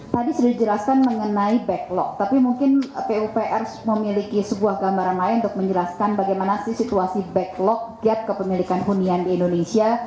tadi sudah dijelaskan mengenai backlog tapi mungkin pupr memiliki sebuah gambaran lain untuk menjelaskan bagaimana sih situasi backlog gap kepemilikan hunian di indonesia